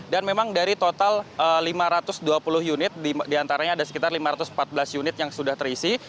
dan memang dari total lima ratus dua puluh unit di antaranya ada sekitar lima ratus empat belas unit yang sudah terisi